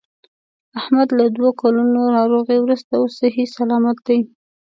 احمد له دوه کلونو ناروغۍ ورسته اوس صحیح صلامت دی.